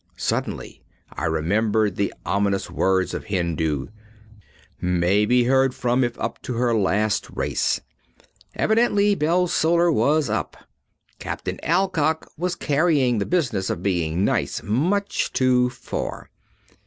Suddenly I remembered the ominous words of Hindoo, "May be heard from if up to her last race." Evidently Bellsolar was up. Captain Alcock was carrying the business of being nice much too far.